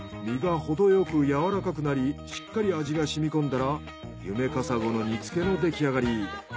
身がほどよくやわらかくなりしっかり味がしみこんだらユメカサゴの煮付けのできあがり。